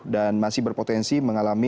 dan masih berpotensi mengalami